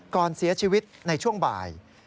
ก่อนเสียชีวิตในช่วงบ่าย